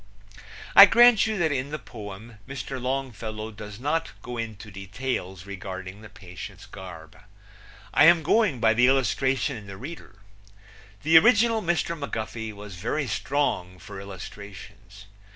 I grant you that in the poem Mr. Longfellow does not go into details regarding the patient's garb. I am going by the illustration in the reader. The original Mr. McGuffey was very strong for illustrations.